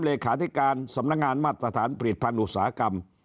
เลขาธิการสำนักงานมาตรฐานผลิตภัณฑ์อุตสาหกรรม